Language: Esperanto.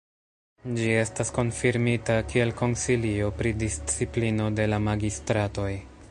Ĝi estas konfirmita kiel konsilio pri disciplino de la magistratoj.